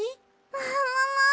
ももも！